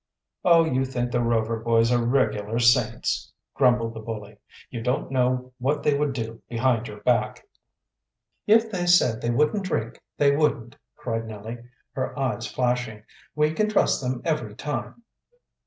"Oh, you think the Rover boys are regular saints!" grumbled the bully. "You don't know what they would do behind your back." "If they said they wouldn't drink they wouldn't," cried Nellie, her eyes flashing. "We can trust them every time."